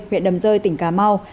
huyện đầm rơi tỉnh cà mau